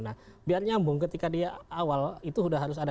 nah biar nyambung ketika dia awal itu sudah harus ada